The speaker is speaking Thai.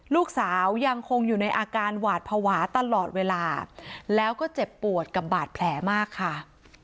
ยังคงอยู่ในอาการหวาดภาวะตลอดเวลาแล้วก็เจ็บปวดกับบาดแผลมากค่ะ